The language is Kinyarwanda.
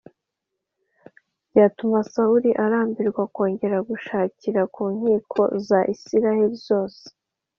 byatuma sawuli arambirwa kongera kunshakira ku nkiko za isirayeli zose